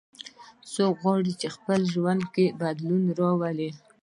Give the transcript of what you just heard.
څوک غواړي چې په خپل ژوند کې بدلون راولي